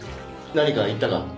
何か言ったか？